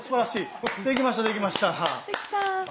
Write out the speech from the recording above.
できましたできました。